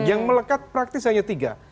yang melekat praktis hanya tiga